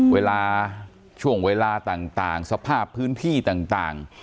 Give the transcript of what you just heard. เวลาช่วงเวลาต่างสภาพพื้นที่ต่าง